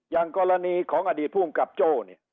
อย่างกรณีของอดีตภูมิกับโจ้เนี่ย